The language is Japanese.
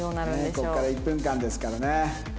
ここから１分間ですからね。